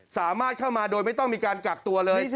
สามารถเข้ามาโดยไม่ต้องมีการกักตัวเลย